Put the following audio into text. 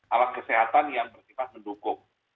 alat kesehatan yang bersifat mendukung